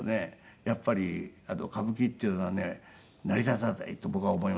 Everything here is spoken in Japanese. やっぱり歌舞伎っていうのはね成り立たないと僕は思いますね。